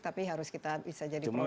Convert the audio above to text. tapi harus kita bisa jadikan